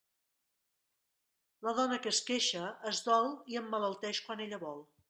La dona que es queixa, es dol i emmalalteix quan ella vol.